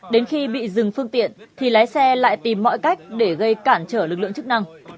đến khi bị dừng phương tiện thì lái xe lại tìm mọi cách để gây cản trở lực lượng chức năng